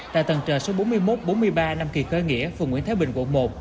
tại tầng trời số bốn mươi một bốn mươi ba năm kỳ khởi nghĩa phường nguyễn thái bình quận một